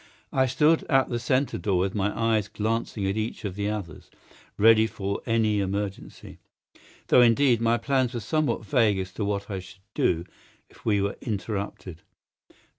I stood at the centre door with my eyes glancing at each of the others, ready for any emergency; though, indeed, my plans were somewhat vague as to what I should do if we were interrupted.